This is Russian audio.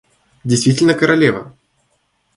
Действительно королева!